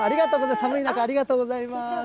寒い中、ありがとうございます。